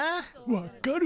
分かる。